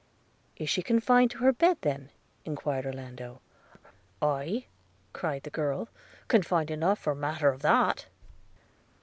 'Is she confined to her bed then?' enquired Orlando. 'Aye,' cried the girl, 'confined enough for matter of that.'